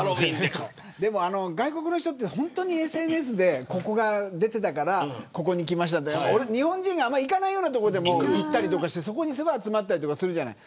外国の人って本当にＳＮＳでここが出ていたからここに来ましたって日本人があんまり行かないような所にも行ったりして集まったりするじゃない。